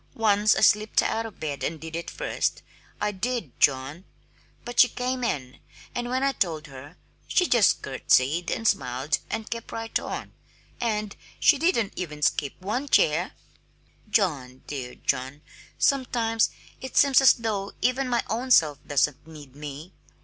Once I slipped out of bed and did it first I did, John; but she came in, and when I told her, she just curtsied and smiled and kept right on, and she didn't even skip one chair! John, dear John, sometimes it seems as though even my own self doesn't need me.